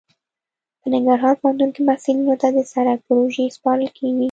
په ننګرهار پوهنتون کې محصلینو ته د سرک پروژې سپارل کیږي